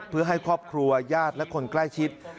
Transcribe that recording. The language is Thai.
เพื่อให้ครอบครัวญาติและคนใกล้ชิด